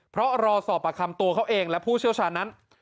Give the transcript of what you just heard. เพราะรอสอบประคำตัวเขาเองและผู้เชี่ยวชาญนั้น